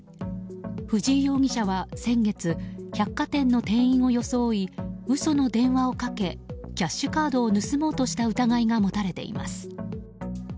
藤井容疑者は先月百貨店の店員を装い嘘の電話をかけキャッシュカードを盗もうとした疑いが持たれています。